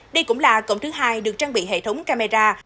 đây cũng là cổng thứ hai được trang bị hệ thống camera